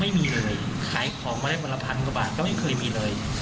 ไม่มีเลยขายของมาได้วันละพันกว่าบาทก็ไม่เคยมีเลย